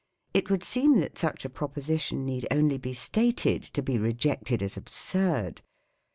It would seem that such a proposition need only be stated to be rejected as absurd.